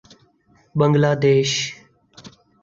بنگلہ دیش